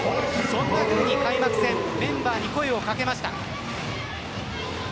そんなふうに開幕戦メンバーに声を掛けました。